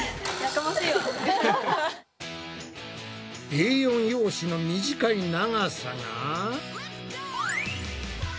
Ａ４用紙の短い長さが。